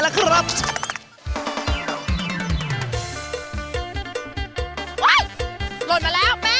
หลดมาแล้วแม่